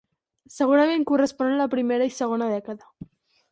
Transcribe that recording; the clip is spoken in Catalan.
Segurament correspon a la primera i segona dècada.